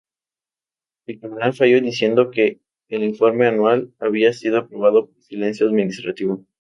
El tribunal falló diciendo que el informe anual había sido aprobado por silencio administrativo.